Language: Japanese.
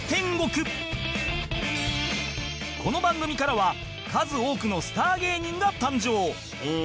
この番組からは数多くのスター芸人が誕生！